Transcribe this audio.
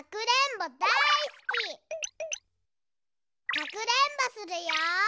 かくれんぼするよ。